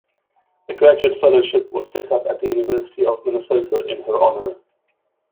A graduate fellowship was set up at the University of Minnesota in her honor.